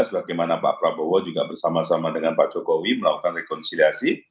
sebagaimana pak prabowo juga bersama sama dengan pak jokowi melakukan rekonsiliasi